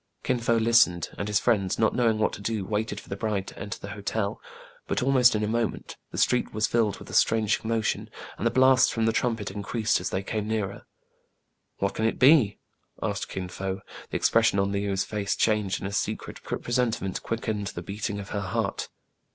Kin Fo listened, and his friends, not knowing what to do, waited for the bride to enter the hotel ; but, almost in a moment, the street was filled with a strange commotion, and the blasts from the trumpet increased as they came nearer. What can it be }" asked Kin Fo. The expres sion of Le ou's face changed, and a secret pre sentiment quickened the beating of her heart.